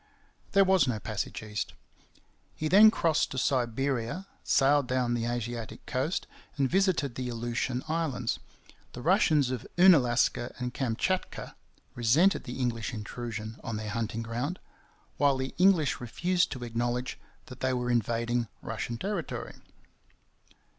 There was no passage east. He then crossed to Siberia, sailed down the Asiatic coast, and visited the Aleutian Islands. The Russians of Oonalaska and Kamchatka resented the English intrusion on their hunting ground, while the English refused to acknowledge that they were invading Russian territory.